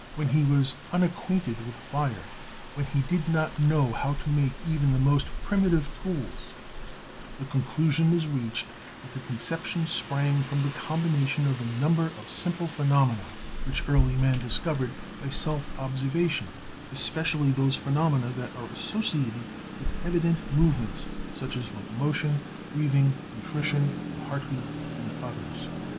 when he was unacquainted with fire, when he did not know how to make even the most primi tive tools, the conclusion is reached that the conception sprang from the combination of a number of simple phe nomena, which early man discovered by self observation, THE NATURE OF LIFE u especially those phenomena that are associated with evi dent movements, such as locomotion, breathing, nutrition, the heartbeat and others.